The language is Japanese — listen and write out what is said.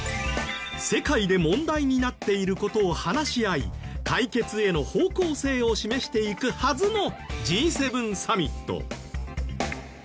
世界で問題になっている事を話し合い解決への方向性を示していくはずのＧ７サミット。